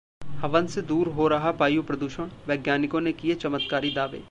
हवन से दूर हो रहा वायु प्रदूषण, वैज्ञानिकों ने किए चमत्कारी दावे